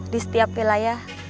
di setiap wilayah